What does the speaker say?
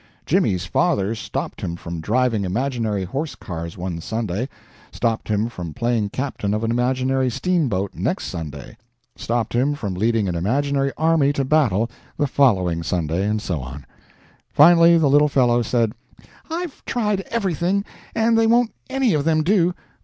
Jimmy's father stopped him from driving imaginary horse cars one Sunday stopped him from playing captain of an imaginary steamboat next Sunday stopped him from leading an imaginary army to battle the following Sunday and so on. Finally the little fellow said: "I've tried everything, and they won't any of them do.